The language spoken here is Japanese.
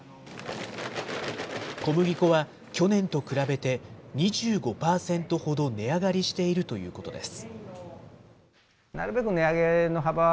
小麦粉は去年と比べて２５％ほど値上がりしているということです。